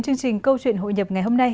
chương trình câu chuyện hội nhập ngày hôm nay